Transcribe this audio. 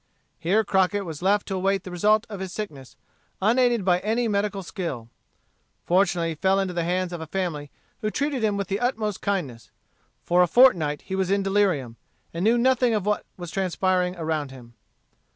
Here Crockett was left to await the result of his sickness, unaided by any medical skill. Fortunately he fell into the hands of a family who treated him with the utmost kindness. For a fortnight he was in delirium, and knew nothing of what was transpiring around him.